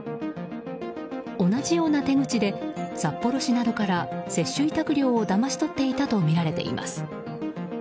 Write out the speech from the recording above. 同じような手口で札幌市などから接種委託料をだまし取っていたとみられています。